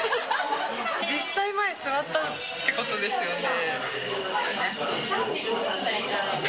実際、前座ったってことですよね。